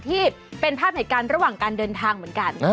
ที่เป็นภาพเหตุการณ์ระหว่างการเดินทางเหมือนกัน